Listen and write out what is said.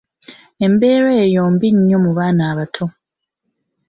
Embeera eyo mbi nnyo mu baana abato.